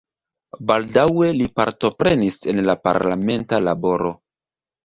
Baldaŭe li partoprenis en la parlamenta laboro.